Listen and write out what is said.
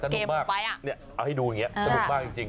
สนุกมากอะไรเอ่อสนุกมากจริง